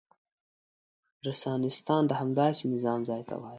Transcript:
رنسانستان د همداسې نظام ځای ته وايي.